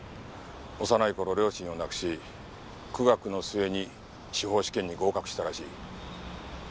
幼い頃両親を亡くし苦学の末に司法試験に合格したらしい。